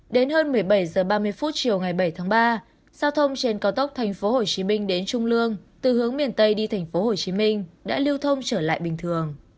đến hơn một mươi bảy h ba mươi chiều ngày bảy tháng ba giao thông trên cao tốc tp hcm đến trung lương từ hướng miền tây đi tp hcm đã lưu thông trở lại bình thường